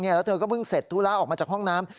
แล้วเธอก็เพิ่งเสร็จธุระออกมาจากห้องน้ำ